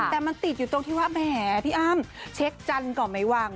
แต่มันติดอยู่ตรงที่ว่าแหมพี่อ้ำเช็คจันทร์ก่อนไม่วาง